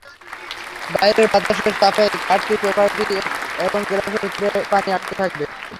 বাইরের বাতাসের চাপেই কার্ড পেপারটি এবং গ্লাসের ভেতরে পানি আটকে থাকবে।